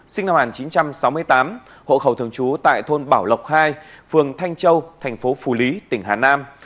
sinh năm một nghìn chín trăm sáu mươi tám hộ khẩu thường trú tại thôn bảo lộc hai phường thanh châu thành phố phủ lý tỉnh hà nam